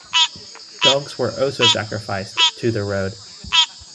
Dogs were also sacrificed to the road.